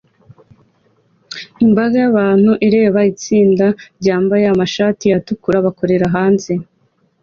Imbaga y'abantu ireba itsinda ryambaye amashati atukura bakorera hanze